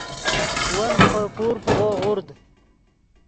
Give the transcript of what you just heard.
ون ڤے خوئے پور پیغو غورد